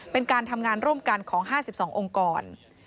เป็นการทำงานร่วมกันของ๕๒องค์กร